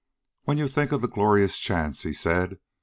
"When you think of the glorious chance," he said.